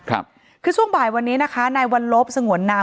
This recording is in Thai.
ครับคือช่วงบ่ายวันนี้นะคะในวันลบสงวนนาม